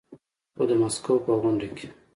خو د ماسکو په غونډه کې